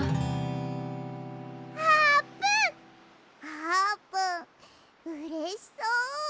あーぷんうれしそう！